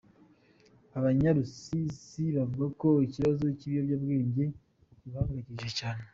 Abanyarusizi bavuga ko ikibazo cy’ibiyobyabwenge kibahangayikishije cyane.